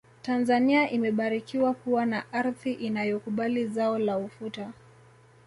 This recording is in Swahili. tanzania imebarikiwa kuwa na ardhi inayokubali zao la ufuta